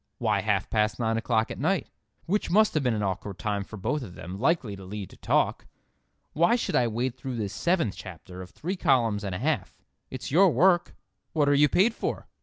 Why half past nine o'clock at night, which must have been an awkward time for both of them—likely to lead to talk? Why should I wade though this seventh chapter of three columns and a half? It's your work. What are you paid for?"